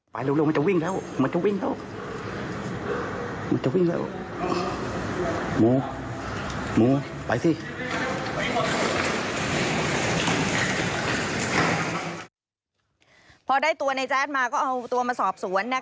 พอได้ตัวในแจ๊ดมาก็เอาตัวมาสอบสวน